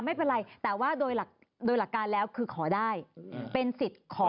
อ่าไม่เป็นไรแต่ว่าโดยหลักการแล้วคือขอได้เป็นสิทธิ์ของผู้ป่วย